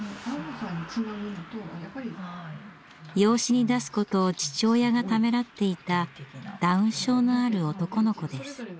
養子に出すことを父親がためらっていたダウン症のある男の子です。